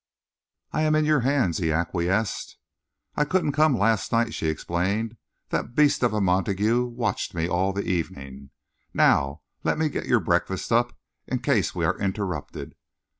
"I am in your hands," he acquiesced. "I couldn't come last night," she explained. "That beast of a Montague watched me all the evening. Now let me get your breakfast up, in case we are interrupted."